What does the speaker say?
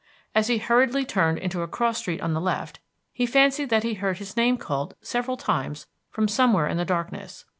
As he hurriedly turned into a cross street on the left, he fancied that he heard his name called several times from somewhere in the darkness.